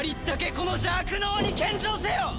この邪悪の王に献上せよ！